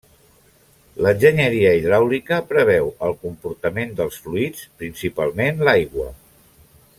L'enginyeria hidràulica preveu el comportament dels fluids, principalment l'aigua.